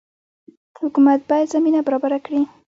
حکومت باید زمینه برابره کړي